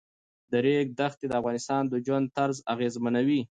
د ریګ دښتې د افغانانو د ژوند طرز اغېزمنوي.